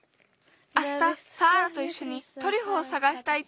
あしたサーラといっしょにトリュフをさがしたいって。